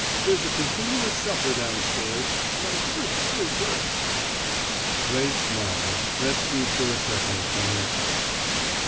"There's a continuous supper downstairs and I hear it's very good." Ray smiled, rescued for a second from himself.